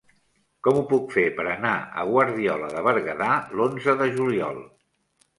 Com ho puc fer per anar a Guardiola de Berguedà l'onze de juliol?